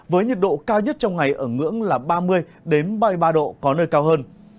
với nhiệt độ cao nhất trong ngày ở ngưỡng là ba mươi ba mươi ba độ có nơi cao hơn